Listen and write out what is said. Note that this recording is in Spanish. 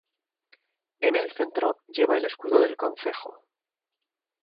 En el centro, lleva el escudo del concejo.